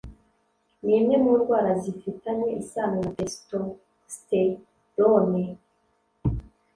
ni imwe mu ndwara zifitanye isano na testosterone